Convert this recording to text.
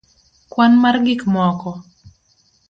kwan mar gik moko?